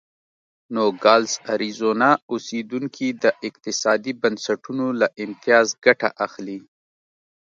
نوګالس اریزونا اوسېدونکي د اقتصادي بنسټونو له امتیاز ګټه اخلي.